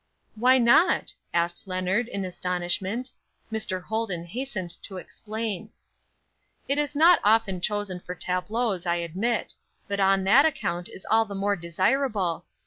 "Why not?" asked Leonard, in astonishment. Mr. Holden hastened to explain: "It is not often chosen for tableaux, I admit; but on that account is all the more desirable.